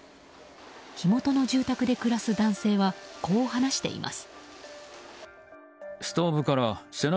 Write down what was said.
火元の住宅で暮らす男性はこう話しています。